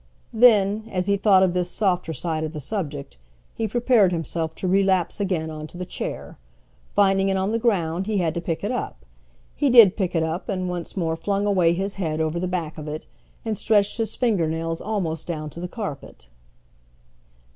Then, as he thought of this softer side of the subject, he prepared himself to relapse again on to the chair. Finding it on the ground he had to pick it up. He did pick it up, and once more flung away his head over the back of it, and stretched his finger nails almost down to the carpet.